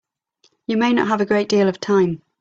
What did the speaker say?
You may not have a great deal of time.